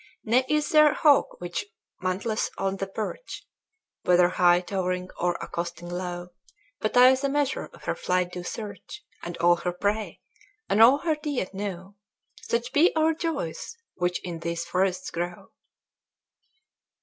"Ne is there hawk which mantleth on her perch, Whether high towering or accosting low, But I the measure of her flight do search, And all her prey, and all her diet know. Such be our joys, which in these forests grow."